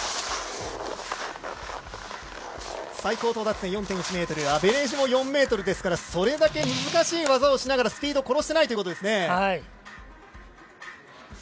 最高到達点、４．８ｍアベレージも４ｍですからそれだけ難しい技をしながらスピードを殺していないということですね。